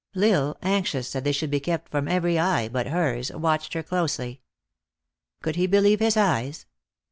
L Isle, anxious that they should be kept from every eye but hers, watched her closely. Could he believe his eyes?